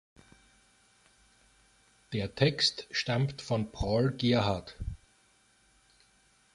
Der Text stammt von Paul Gerhardt.